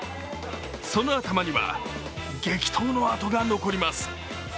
その頭には激闘の痕が残ります。